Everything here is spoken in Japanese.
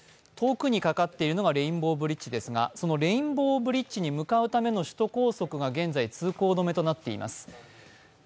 遠くにかかっているのがレインボーブリッジですが、そのレインボーブリッジに向かうための首都高速が現在、通行止めとなっています。